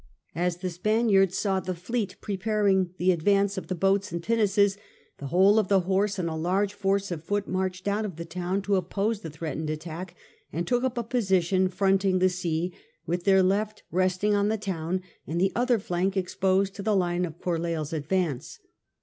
As the Spaniards saw the fleet preparing the advance of the boats and pinnaces, the whole of the horse and a large force of foot marched out of the town to oppose the threatened attack, and took up a position fronting the sea, with their left resting on the town and the other flank exposed in the line of GarleilFs advance.